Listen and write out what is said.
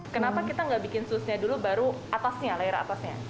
kenapa kita tidak membuat sousnya dulu baru atasnya layar atasnya